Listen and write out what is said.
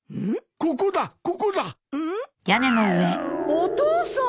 お父さん！